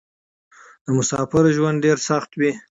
د مسافرو ژوند ډېر سخت وې.